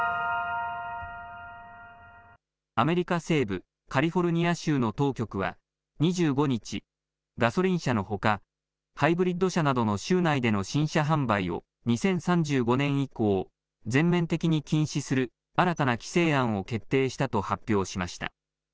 アメリカ西部カリフォルニア州の当局は、２５日、ガソリン車のほか、ハイブリッド車などの州内での新車販売を２０３５年以降、全面的に禁止する新たな規制案を決定したと発表しました。